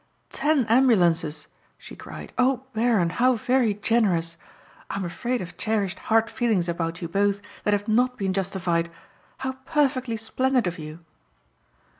"Ten ambulances!" she cried. "Oh, Baron, how very generous! I'm afraid I've cherished hard feelings about you both that have not been justified. How perfectly splendid of you!"